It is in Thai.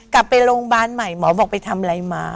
กลับไปโรงพยาบาลใหม่หมอบอกไปทำอะไรมา